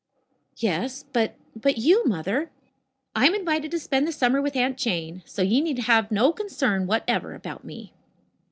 "Yes but but you, Mother?" "I am invited to spend the summer with Aunt Jane, so you need have no concern whatever about me."